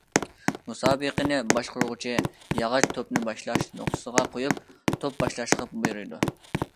مۇسابىقىنى باشقۇرغۇچى ياغاچ توپنى باشلاش نۇقتىسىغا قويۇپ توپ باشلاشقا بۇيرۇيدۇ.